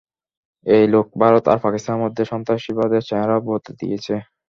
এই এক লোক, ভারত আর পাকিস্তানে মধ্যে সন্ত্রাসীবাদের চেহারা বদলে দিয়েছে।